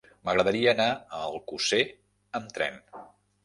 M'agradaria anar a Alcosser amb tren.